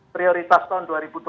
prioritas tahun dua ribu dua puluh